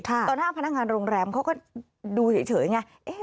ตอนนั้นพนักงานโรงแรมเขาก็ดูเฉยอย่างนี้